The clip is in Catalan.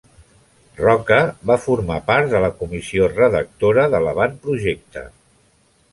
Roca va formar part de la comissió redactora de l'Avantprojecte.